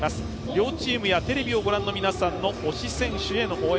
両チームやテレビをご覧の皆さんの推し選手への応援